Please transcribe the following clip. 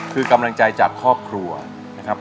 คือกำลังใจจากครอบครัวนะครับ